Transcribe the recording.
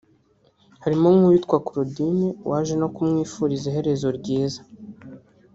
harimo nk’uwitwa Claudine waje no kumwifuriza iherezo ryiza